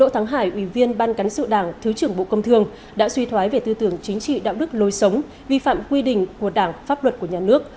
tháng thứ trưởng bộ công thương đã suy thoái về tư tưởng chính trị đạo đức lối sống vi phạm quy định của đảng pháp luật của nhà nước